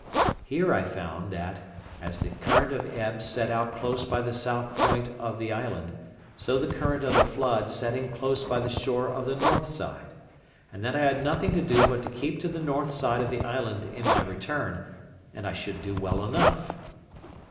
Here I found, that as the current of ebb set out close by the south point of the island, so the current of the flood set in close by the shore of the north side; and that I had nothing to do but to keep to the north side of the island in my return, and I should do well enough.